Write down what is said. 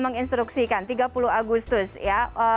menginstruksikan tiga puluh agustus ya